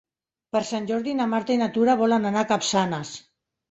Per Sant Jordi na Marta i na Tura volen anar a Capçanes.